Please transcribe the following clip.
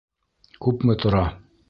Күпме тора?..